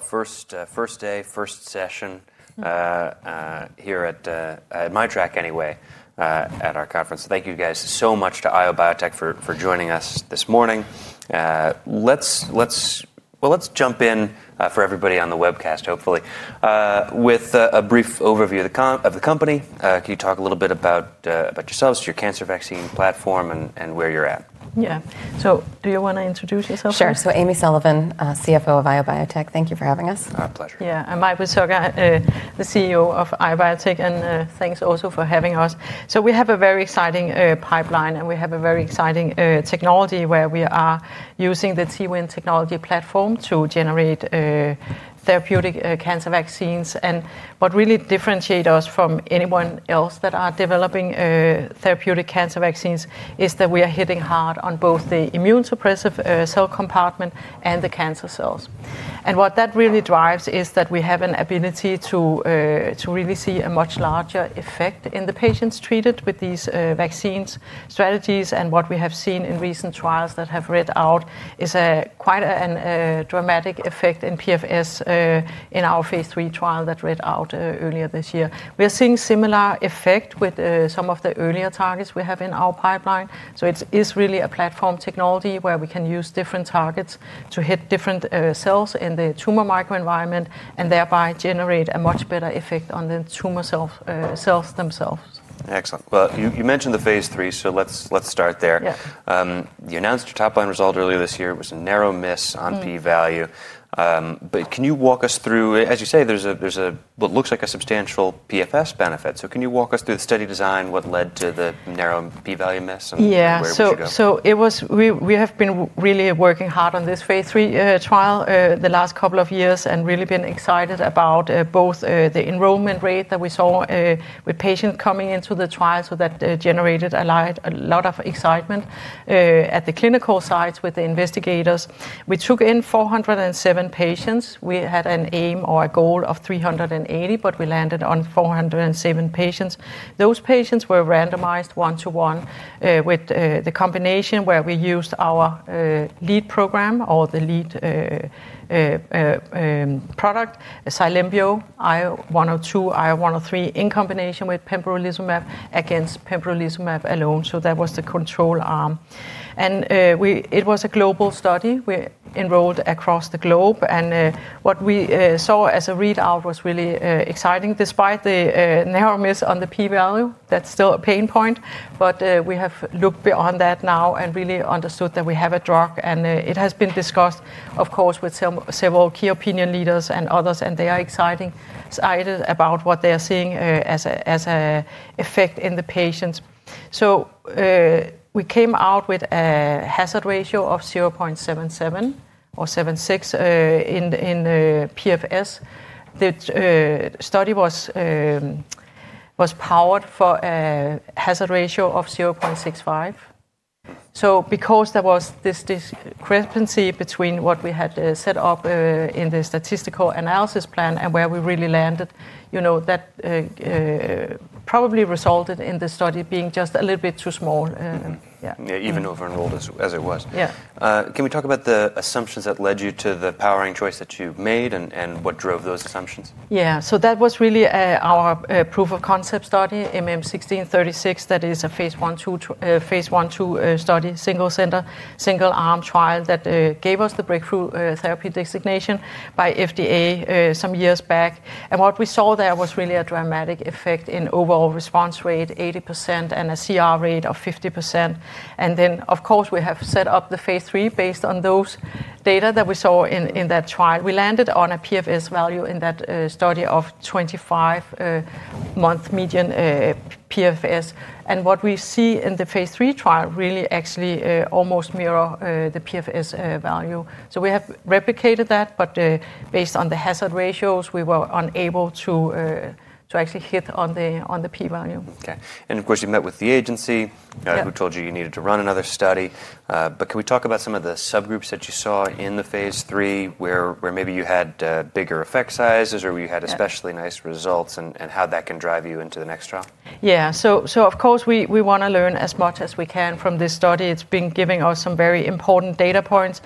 First day, first session here at, at Mai-Britt anyway, at our conference. Thank you, guys, so much to IO Biotech for joining us this morning. Let's jump in for everybody on the webcast, hopefully, with a brief overview of the company. Can you talk a little bit about yourselves, your cancer vaccine platform, and where you're at? Yeah. Do you want to introduce yourself? Sure. Amy Sullivan, CFO of IO Biotech. Thank you for having us. Our pleasure. Yeah. Mai-Britt Zocca, the CEO of IO Biotech. Thanks also for having us. We have a very exciting pipeline, and we have a very exciting technology where we are using the T-win platform to generate therapeutic cancer vaccines. What really differentiates us from anyone else that are developing therapeutic cancer vaccines is that we are hitting hard on both the immune suppressive cell compartment and the cancer cells. What that really drives is that we have an ability to really see a much larger effect in the patients treated with these vaccine strategies. What we have seen in recent trials that have read out is quite a dramatic effect in progression-free survival in our phase III trial that read out earlier this year. We are seeing a similar effect with some of the earlier targets we have in our pipeline. It is really a platform technology where we can use different targets to hit different cells in the tumor microenvironment and thereby generate a much better effect on the tumor cells themselves. Excellent. You mentioned the phase III, so let's start there. Yeah. You announced your top line result earlier this year. It was a narrow miss on P-value. Can you walk us through, as you say, there's what looks like a substantial PFS benefit. Can you walk us through the study design, what led to the narrow P-value miss and where it went? Yeah. It was, we have been really working hard on this phase III trial the last couple of years and really been excited about both the enrollment rate that we saw with patients coming into the trial. That generated a lot of excitement at the clinical sites with the investigators. We took in 407 patients. We had an aim or a goal of 380, but we landed on 407 patients. Those patients were randomized one-to-one with the combination where we used our lead program or the lead product, Cylembio IO-102, IO-103 in combination with pembrolizumab against pembrolizumab alone. That was the control arm. It was a global study. We enrolled across the globe. What we saw as a readout was really exciting. Despite the narrow miss on the P-value, that's still a pain point. We have looked beyond that now and really understood that we have a drug. It has been discussed, of course, with several key opinion leaders and others. They are excited about what they are seeing as an effect in the patients. We came out with a hazard ratio of 0.77 or 0.76 in PFS. The study was powered for a hazard ratio of 0.65. Because there was this discrepancy between what we had set up in the statistical analysis plan and where we really landed, you know, that probably resulted in the study being just a little bit too small. Even over-enrolled as it was. Yeah. Can we talk about the assumptions that led you to the powering choice that you made and what drove those assumptions? Yeah. That was really our proof of concept study, MM1636. That is a phase one two study, single center, single arm trial that gave us the breakthrough therapy designation by FDA some years back. What we saw there was really a dramatic effect in overall response rate, 80%, and a CR rate of 50%. Of course, we have set up the phase III based on those data that we saw in that trial. We landed on a PFS value in that study of 25-month median PFS. What we see in the phase III trial really actually almost mirrors the PFS value. We have replicated that, but based on the hazard ratios, we were unable to actually hit on the P-value. Okay. You met with the agency who told you you needed to run another study. Can we talk about some of the subgroups that you saw in the phase III where maybe you had bigger effect sizes or you had especially nice results and how that can drive you into the next trial? Yeah. Of course, we want to learn as much as we can from this study. It's been giving us some very important data points.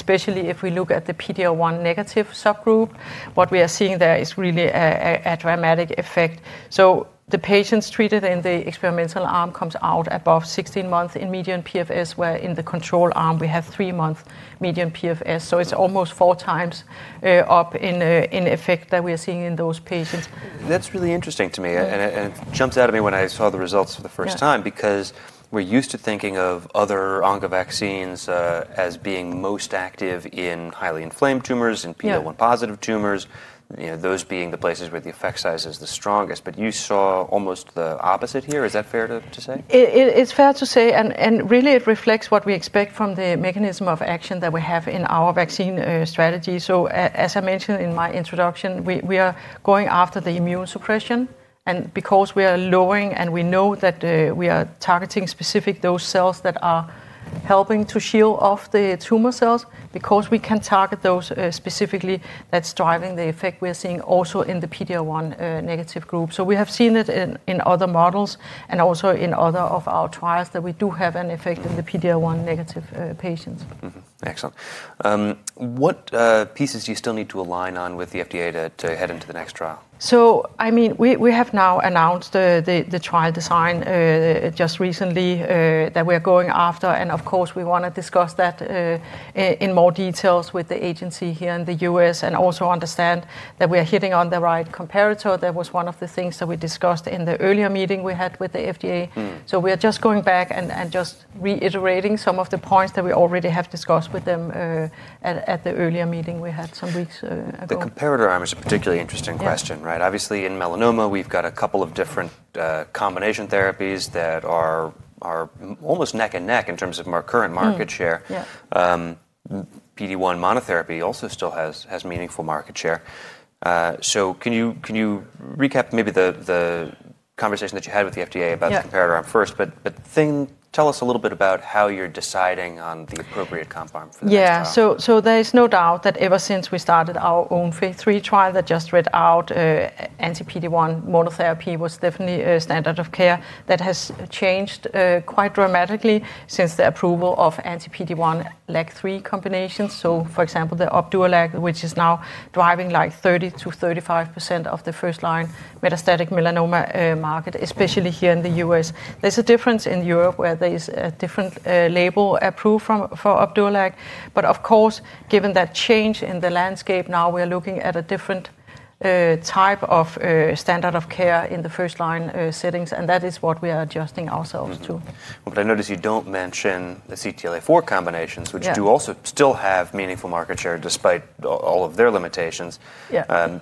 Especially if we look at the PD-L1 negative subgroup, what we are seeing there is really a dramatic effect. The patients treated in the experimental arm come out above 16 months in median PFS, where in the control arm, we have three-month median PFS. It's almost four times up in effect that we are seeing in those patients. That's really interesting to me. It jumps out at me when I saw the results for the first time because we're used to thinking of other oncovaccines as being most active in highly inflamed tumors and PD-L1 positive tumors, those being the places where the effect size is the strongest. You saw almost the opposite here. Is that fair to say? It's fair to say. It really reflects what we expect from the mechanism of action that we have in our vaccine strategy. As I mentioned in my introduction, we are going after the immune suppression. Because we are lowering and we know that we are targeting specific those cells that are helping to shield off the tumor cells, because we can target those specifically, that's driving the effect we are seeing also in the PD-L1 negative group. We have seen it in other models and also in other of our trials that we do have an effect in the PD-L1 negative patients. Excellent. What pieces do you still need to align on with the FDA to head into the next trial? I mean, we have now announced the trial design just recently that we are going after. Of course, we want to discuss that in more details with the agency here in the U.S. and also understand that we are hitting on the right comparator. That was one of the things that we discussed in the earlier meeting we had with the FDA. We are just going back and just reiterating some of the points that we already have discussed with them at the earlier meeting we had some weeks ago. The comparator arm is a particularly interesting question, right? Obviously, in melanoma, we've got a couple of different combination therapies that are almost neck and neck in terms of current market share. PD-1 monotherapy also still has meaningful market share. Can you recap maybe the conversation that you had with the FDA about the comparator arm first? Tell us a little bit about how you're deciding on the appropriate comp arm for the next trial. Yeah. There is no doubt that ever since we started our own phase III trial that just read out, anti-PD-1 monotherapy was definitely a standard of care that has changed quite dramatically since the approval of anti-PD-1 LAG-3 combinations. For example, the Opdualag, which is now driving like 30%-35% of the first line metastatic melanoma market, especially here in the U.S. There is a difference in Europe where there is a different label approved for Opdualag. Of course, given that change in the landscape, now we are looking at a different type of standard of care in the first line settings. That is what we are adjusting ourselves to. I noticed you don't mention the CTLA-4 combinations, which do also still have meaningful market share despite all of their limitations. Yeah.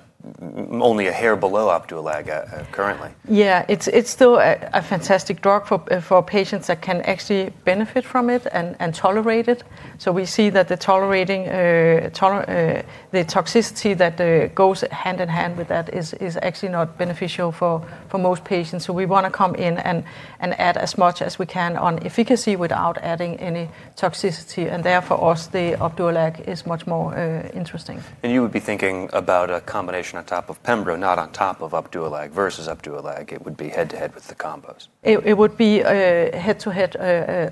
Only a hair below Opdualag currently. Yeah. It's still a fantastic drug for patients that can actually benefit from it and tolerate it. We see that the toxicity that goes hand in hand with that is actually not beneficial for most patients. We want to come in and add as much as we can on efficacy without adding any toxicity. Therefore, the Opdualag is much more interesting. You would be thinking about a combination on top of Pembro, not on top of Opdualag versus Opdualag. It would be head to head with the combos. It would be head to head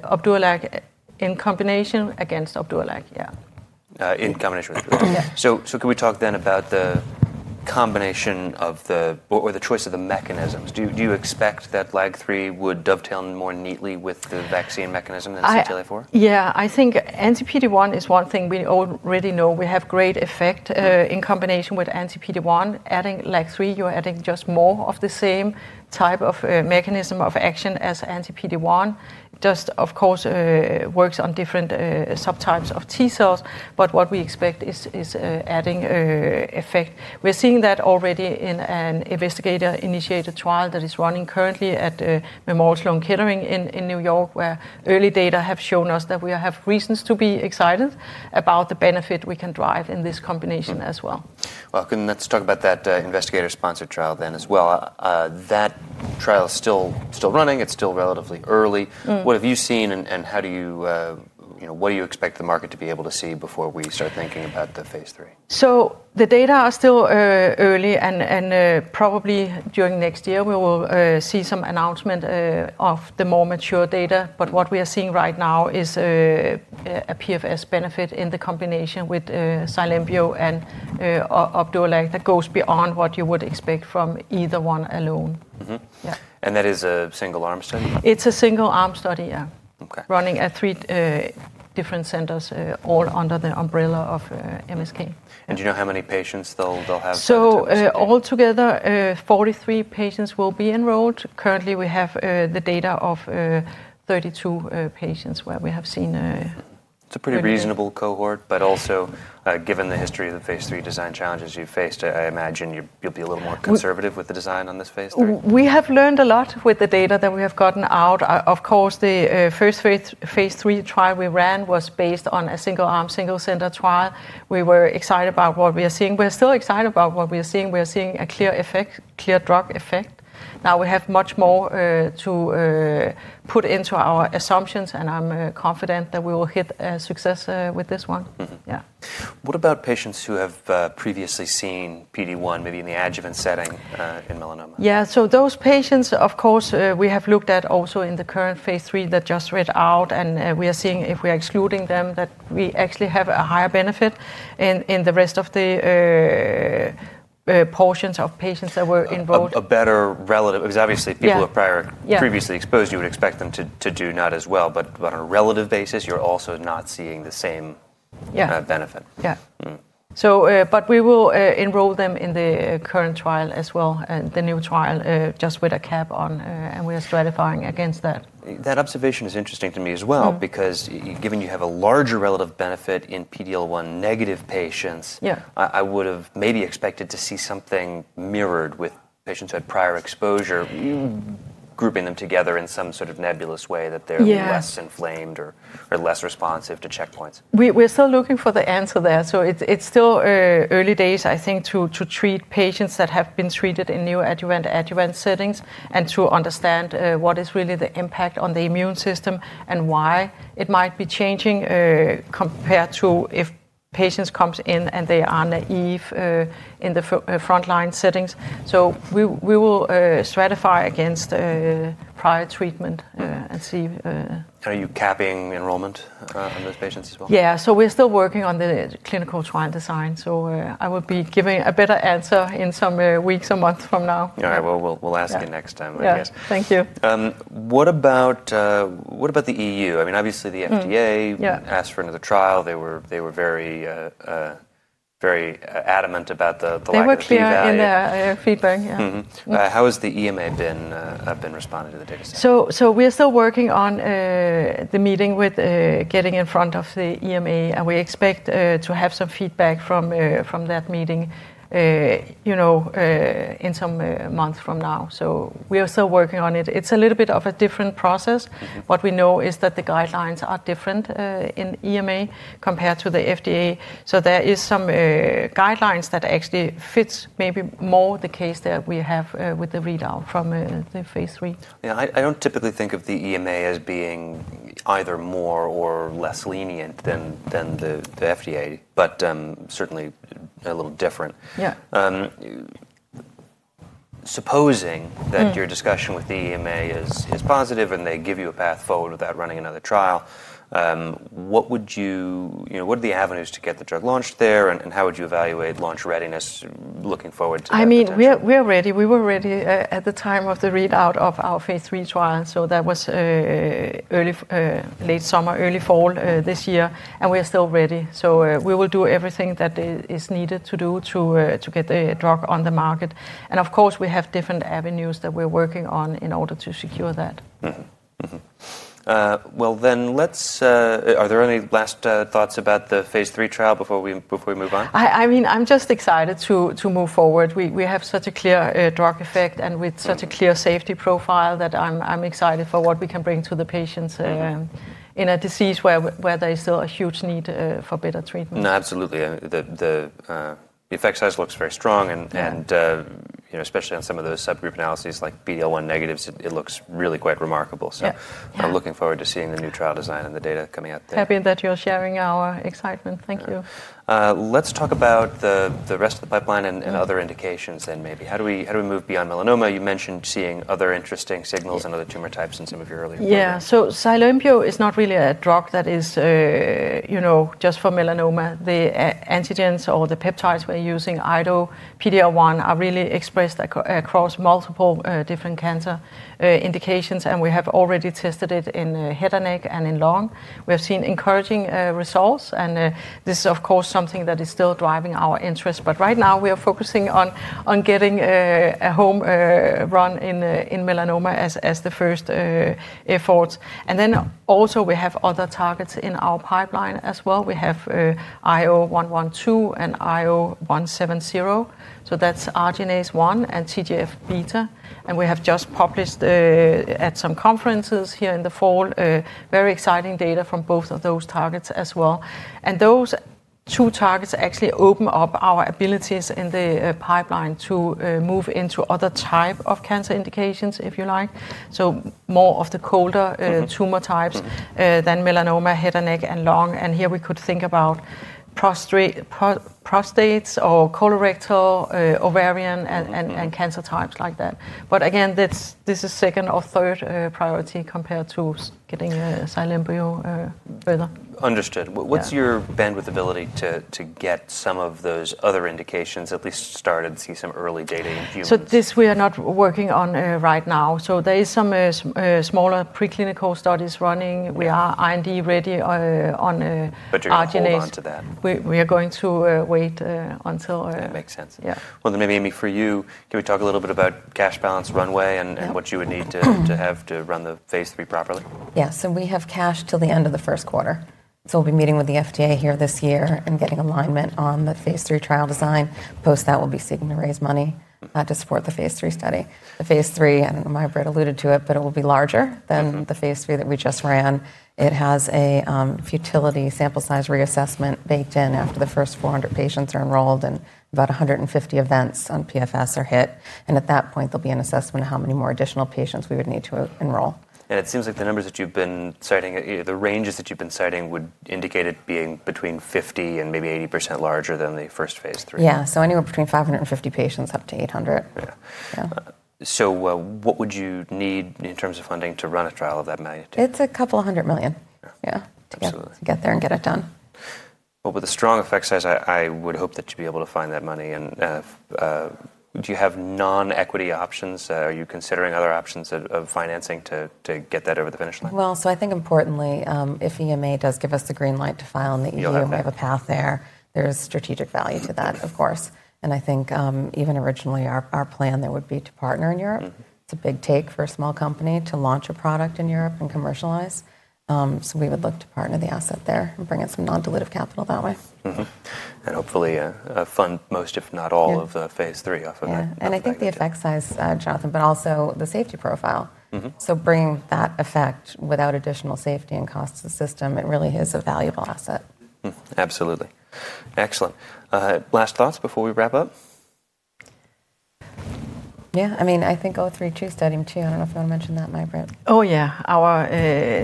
Opdualag in combination against Opdualag, yeah. In combination with Opdualag. Can we talk then about the combination of the or the choice of the mechanisms? Do you expect that LAG-3 would dovetail more neatly with the vaccine mechanism than CTLA-4? Yeah. I think anti-PD-1 is one thing we already know. We have great effect in combination with anti-PD-1. Adding LAG-3, you're adding just more of the same type of mechanism of action as anti-PD-1. Just, of course, works on different subtypes of T cells. What we expect is adding effect. We're seeing that already in an investigator-initiated trial that is running currently at Memorial Sloan Kettering in New York, where early data have shown us that we have reasons to be excited about the benefit we can drive in this combination as well. Let's talk about that investigator-sponsored trial then as well. That trial is still running. It's still relatively early. What have you seen and what do you expect the market to be able to see before we start thinking about the phase III? The data are still early. Probably during next year, we will see some announcement of the more mature data. What we are seeing right now is a PFS benefit in the combination with Cylembio and Opdualag that goes beyond what you would expect from either one alone. Is that a single arm study? It's a single arm study, yeah, running at three different centers all under the umbrella of MSK. Do you know how many patients they'll have? Altogether, 43 patients will be enrolled. Currently, we have the data of 32 patients where we have seen. It's a pretty reasonable cohort. Also, given the history of the phase III design challenges you've faced, I imagine you'll be a little more conservative with the design on this phase III. We have learned a lot with the data that we have gotten out. Of course, the first phase III trial we ran was based on a single arm, single center trial. We were excited about what we are seeing. We're still excited about what we are seeing. We are seeing a clear effect, clear drug effect. Now we have much more to put into our assumptions. I'm confident that we will hit success with this one. Yeah. What about patients who have previously seen PD-1, maybe in the adjuvant setting in melanoma? Yeah. Those patients, of course, we have looked at also in the current phase III that just read out. We are seeing if we are excluding them that we actually have a higher benefit in the rest of the portions of patients that were enrolled. A better relative because obviously people who have previously exposed, you would expect them to do not as well. On a relative basis, you're also not seeing the same benefit. Yeah. We will enroll them in the current trial as well, the new trial, just with a cap on. We are stratifying against that. That observation is interesting to me as well because given you have a larger relative benefit in PD-L1 negative patients, I would have maybe expected to see something mirrored with patients who had prior exposure, grouping them together in some sort of nebulous way that they're less inflamed or less responsive to checkpoints. We're still looking for the answer there. It's still early days, I think, to treat patients that have been treated in neoadjuvant settings and to understand what is really the impact on the immune system and why it might be changing compared to if patients come in and they are naive in the front line settings. We will stratify against prior treatment and see. Are you capping enrollment on those patients as well? Yeah. We are still working on the clinical trial design. I will be giving a better answer in some weeks or months from now. All right. We'll ask you next time, I guess. Yeah. Thank you. What about the EU? I mean, obviously, the FDA asked for another trial. They were very adamant about the lack of feedback. They were clear in their feedback, yeah. How has the EMA been responding to the data? We are still working on the meeting with getting in front of the EMA. We expect to have some feedback from that meeting in some months from now. We are still working on it. It's a little bit of a different process. What we know is that the guidelines are different in EMA compared to the FDA. There are some guidelines that actually fit maybe more the case that we have with the readout from the phase III. Yeah. I don't typically think of the EMA as being either more or less lenient than the FDA, but certainly a little different. Yeah. Supposing that your discussion with the EMA is positive and they give you a path forward without running another trial, what would you what are the avenues to get the drug launched there? How would you evaluate launch readiness looking forward to that? I mean, we are ready. We were ready at the time of the readout of our phase III trial. That was late summer, early fall this year. We are still ready. We will do everything that is needed to do to get the drug on the market. Of course, we have different avenues that we're working on in order to secure that. Are there any last thoughts about the phase III trial before we move on? I mean, I'm just excited to move forward. We have such a clear drug effect and with such a clear safety profile that I'm excited for what we can bring to the patients in a disease where there is still a huge need for better treatment. Absolutely. The effect size looks very strong. Especially on some of those subgroup analyses like PD-L1 negatives, it looks really quite remarkable. I am looking forward to seeing the new trial design and the data coming out there. Happy that you're sharing our excitement. Thank you. Let's talk about the rest of the pipeline and other indications then maybe. How do we move beyond melanoma? You mentioned seeing other interesting signals and other tumor types in some of your earlier work. Yeah. Cylembio is not really a drug that is just for melanoma. The antigens or the peptides we're using, IDO, PD-L1, are really expressed across multiple different cancer indications. We have already tested it in head and neck and in lung. We have seen encouraging results. This is, of course, something that is still driving our interest. Right now, we are focusing on getting a home run in melanoma as the first effort. We have other targets in our pipeline as well. We have IO-112 and IO-170. That's Arginase 1 and TGF-beta. We have just published at some conferences here in the fall very exciting data from both of those targets as well. Those two targets actually open up our abilities in the pipeline to move into other types of cancer indications, if you like. More of the colder tumor types than melanoma, head and neck, and lung. Here we could think about prostate or colorectal, ovarian, and cancer types like that. Again, this is second or third priority compared to getting Cylembio further. Understood. What's your bandwidth ability to get some of those other indications at least started to see some early data in a few months? We are not working on this right now. There are some smaller preclinical studies running. We are IND ready on Arginase 1. You're going to move on to that. We are going to wait until. That makes sense. Yeah. Maybe for you, can we talk a little bit about cash balance runway and what you would need to have to run the phase III properly? Yeah. We have cash till the end of the first quarter. We'll be meeting with the FDA this year and getting alignment on the phase III trial design. Post that, we'll be seeking to raise money to support the phase III study. The phase III, and Mai-Britt alluded to it, will be larger than the phase III that we just ran. It has a futility sample size reassessment baked in after the first 400 patients are enrolled and about 150 events on PFS are hit. At that point, there will be an assessment of how many more additional patients we would need to enroll. It seems like the numbers that you've been citing, the ranges that you've been citing, would indicate it being between 50% and maybe 80% larger than the first phase III. Yeah. Anywhere between 550 patients up to 800. Yeah. What would you need in terms of funding to run a trial of that magnitude? It's a couple of hundred million. Yeah, to get there and get it done. With a strong effect size, I would hope that you'd be able to find that money. Do you have non-equity options? Are you considering other options of financing to get that over the finish line? I think importantly, if EMA does give us the green light to file in the EU and we have a path there, there is strategic value to that, of course. I think even originally, our plan, there would be to partner in Europe. It's a big take for a small company to launch a product in Europe and commercialize. We would look to partner the asset there and bring in some non-dilutive capital that way. Hopefully, fund most, if not all, of the phase III off of that. I think the effect size, Jonathan, but also the safety profile. Bringing that effect without additional safety and costs to the system, it really is a valuable asset. Absolutely. Excellent. Last thoughts before we wrap up? Yeah. I mean, I think IOB-032 studying too. I do not know if you want to mention that, Mai-Britt. Oh, yeah. Our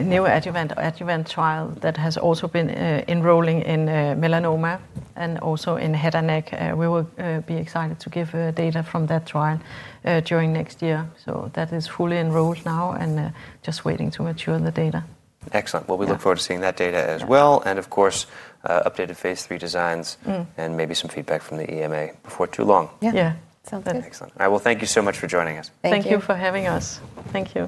new adjuvant trial that has also been enrolling in melanoma and also in head and neck. We will be excited to give data from that trial during next year. That is fully enrolled now and just waiting to mature the data. Excellent. We look forward to seeing that data as well. Of course, updated phase III designs and maybe some feedback from the EMA before too long. Yeah. Yeah. Sounds good. Excellent. I will thank you so much for joining us. Thank you for having us. Thank you.